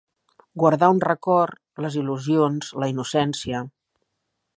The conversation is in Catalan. Guardar un record, les il·lusions, la innocència.